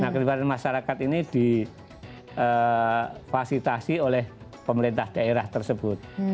nah ketelibatan masyarakat ini divasitasi oleh pemerintah daerah tersebut